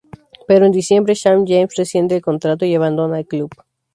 Pero en diciembre, Shawn James rescinde el contrato y abandona el club.